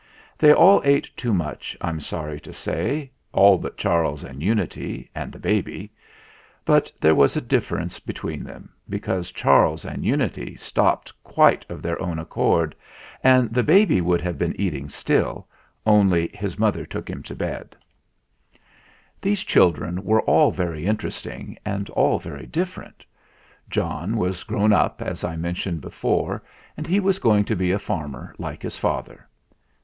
They all ate too much, I'm sorry to say all but Charles and Unity and the baby. But there was a differ ence between them, because Charles and Unity stopped quite of their own accord, and the baby would have been eating still, only his mother took him to bed. MERRIPIT FARM 65 These children were all very interesting and all very different. John was grown up, as I mentioned before, and he was going to be a farmer like his father.